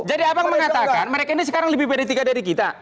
jadi abang mengatakan mereka ini sekarang lebih beretika dari kita